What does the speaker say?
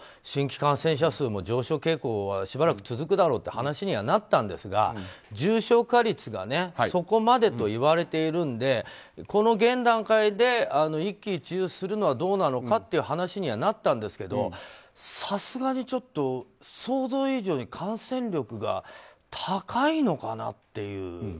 新規感染者数も上昇傾向はしばらく続くだろうって話にはなったんですが重症化率がそこまでといわれているのでこの現段階で、一喜一憂するのはどうなのかという話にはなったんですけどさすがにちょっと想像以上に感染力が高いのかなっていう。